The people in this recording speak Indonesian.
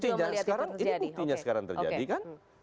sekarang ini buktinya sekarang terjadi kan